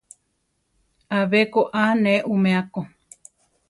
Abé ko a ne umea ko.